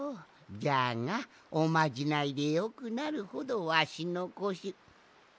じゃがおまじないでよくなるほどわしのこしホエ？